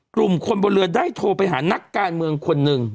กลุ่มคนบนเรือได้โทรไปหานักการเมืองคนหนึ่ง